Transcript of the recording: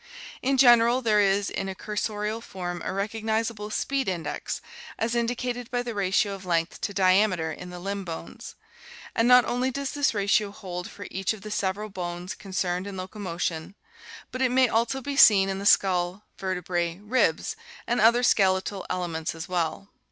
In general there is in a cursorial form a recognizable " speed index," as indicated by the ratio of length to diameter in the limb bones; and not only does this ratio hold for each of the several bones concerned in locomotion, but it may also be seen in the skull, vertebrae, ribs, and other skeletal elements as well.